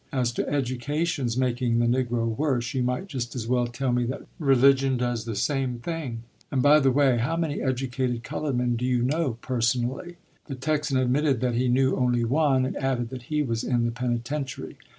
As to education's making the Negro worse, you might just as well tell me that religion does the same thing. And, by the way, how many educated colored men do you know personally?" The Texan admitted that he knew only one, and added that he was in the penitentiary.